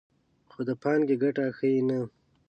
خو د پانګې ګټه ښیي نه